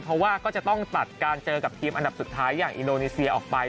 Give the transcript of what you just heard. เพราะว่าก็จะต้องตัดการเจอกับทีมอันดับสุดท้ายอย่างอินโดนีเซียออกไป